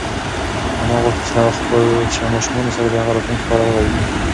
انا غوښتل چې له ماشوم سره د هغه د راتلونکي په اړه وغږېږي.